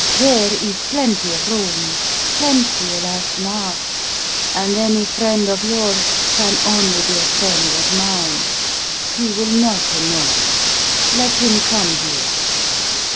"There is plenty of room! plenty, alas now and any friend of yours can only be a friend of mine. He will not annoy. Let him come here."